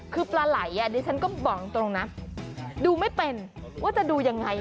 คือปลาไหล่ดิฉันก็บอกตรงนะดูไม่เป็นว่าจะดูยังไง